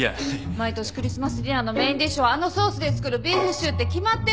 毎年クリスマスディナーのメインディッシュはあのソースで作るビーフシチューって決まってるの。